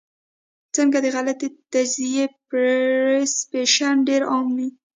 ځکه د غلطې تجزئې پرسپشن ډېر عام وي -